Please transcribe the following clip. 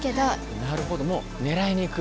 なるほどもうねらいにいく。